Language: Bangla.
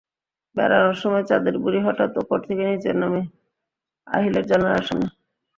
বেড়ানোর সময় চাঁদের বুড়ি হঠাৎ ওপর থেকে নিচে নামে আহিলের জানালার সামনে।